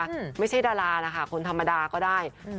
อืมไม่ใช่ดารานะคะคนธรรมดาก็ได้อืม